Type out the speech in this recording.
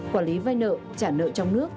quản lý vai nợ trả nợ trong nước